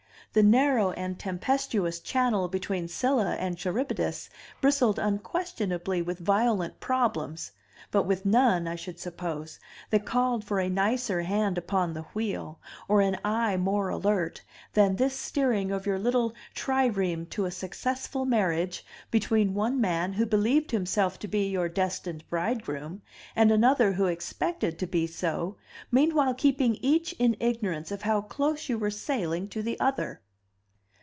The narrow and tempestuous channel between Scylla and Charybdis bristled unquestionably with violent problems, but with none, I should suppose, that called for a nicer hand upon the wheel, or an eye more alert, than this steering of your little trireme to a successful marriage, between one man who believed himself to be your destined bridegroom and another who expected to be so, meanwhile keeping each in ignorance of how close you were sailing to the other.